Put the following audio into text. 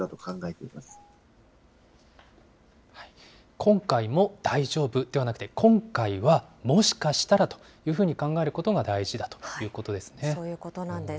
今回も大丈夫ではなくて、今回はもしかしたらというふうに考えることが大事だということでそういうことなんです。